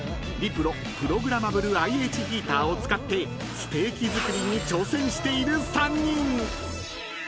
プログラマブルＩＨヒーターを使ってステーキ作りに挑戦している３人］